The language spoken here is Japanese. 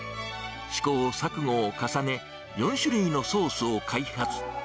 試行錯誤を重ね、４種類のソースを開発。